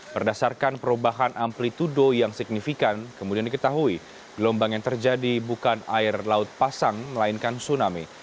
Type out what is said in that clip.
berdasarkan perubahan amplitudo yang signifikan kemudian diketahui gelombang yang terjadi bukan air laut pasang melainkan tsunami